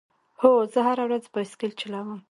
هو، زه هره ورځ بایسکل چلوم